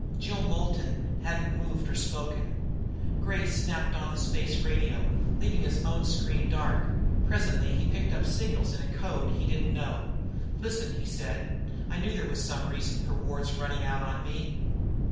Jill Moulton hadn't moved or spoken. Gray snapped on the space radio, leaving his own screen dark. Presently he picked up signals in a code he didn't know. "Listen," he said. "I knew there was some reason for Ward's running out on me."